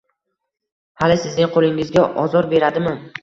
Hali sizning qo‘lingizga ozor beradimi…